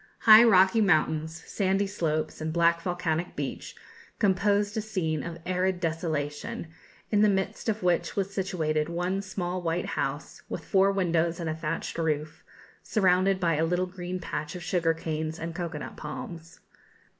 High rocky mountains, sandy slopes, and black volcanic beach, composed a scene of arid desolation, in the midst of which was situated one small white house, with four windows and a thatched roof, surrounded by a little green patch of sugar canes and cocoa nut palms.